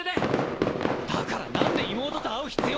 だからなんで妹と会う必要が！